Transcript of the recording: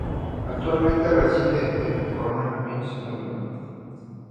Actualmente reside en Corona Queens, Nueva York.